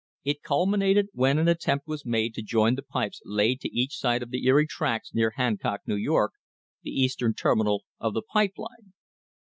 It culminated when an attempt was made to join the pipes laid to each side of the Erie tracks near Hancock, New York, the Eastern ter minal of the pipe line.